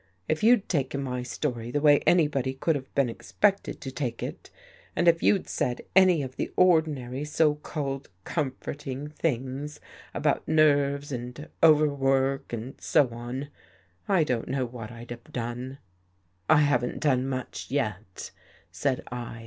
If you'd taken my story the way anybody could have been expected to take it and if you'd said any of the ordinary, so called comforting things about nerves and overwork and so on, I don't know what I'd have done." 51 THE GHOST GIRL " I haven't done much yet," said I.